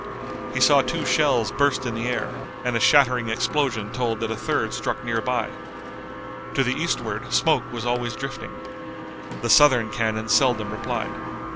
He saw two shells burst in the air, and a shattering explosion told that a third struck near by. To the eastward smoke was always drifting. The Southern cannon seldom replied.